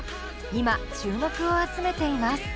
今注目を集めています。